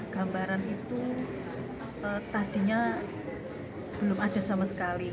gambaran itu tadinya belum ada sama sekali